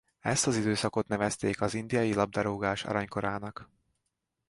Ezt az időszakot nevezték az indiai labdarúgás aranykorának.